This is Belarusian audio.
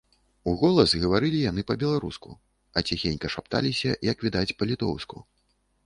Уголас гаварылі яны па-беларуску, а ціхенька шапталіся, як відаць, па-літоўску.